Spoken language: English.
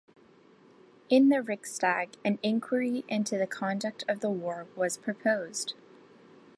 In the Riksdag, an inquiry into the conduct of the war was proposed.